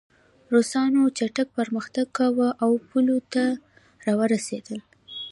روسانو چټک پرمختګ کاوه او پولو ته راورسېدل